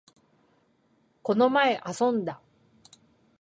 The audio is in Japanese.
この前、遊んだ